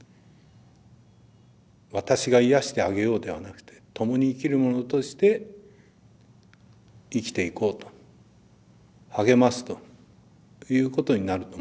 私が癒やしてあげようではなくてともに生きる者として生きていこうと励ますということになると思います。